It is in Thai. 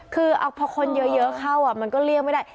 คือพอคนเยอะเข้ามันก็เลี่ยงไม่ได้